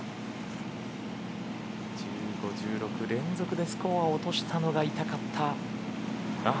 １５、１６連続でスコアを落としたのが痛かった。